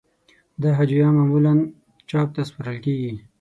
دا هجویه معمولاً چاپ ته سپارل کیږی.